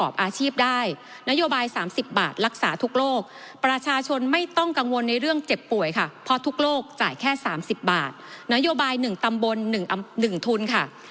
มีโอกาสนโยบาย๑ตำบล๑ทุนค่ะ